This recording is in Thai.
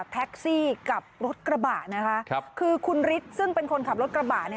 แท็กซี่กับรถกระบะนะคะคือคุณฤทธิ์ซึ่งเป็นคนขับรถกระบะเนี่ย